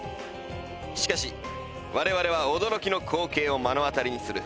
しかし我々は驚きの光景を目の当たりにする